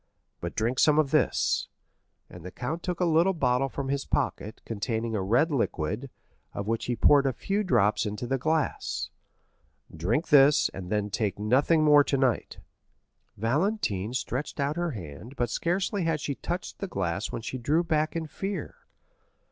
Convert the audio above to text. But drink some of this;" and the count took a bottle from his pocket, containing a red liquid, of which he poured a few drops into the glass. "Drink this, and then take nothing more tonight." Valentine stretched out her hand, but scarcely had she touched the glass when she drew back in fear.